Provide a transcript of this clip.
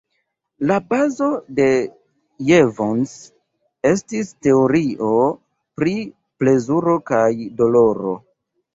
La bazo de Jevons estis teorio pri plezuro kaj doloro.